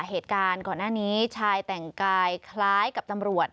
เหตุการณ์ก่อนหน้านี้ชายแต่งกายคล้ายกับตำรวจ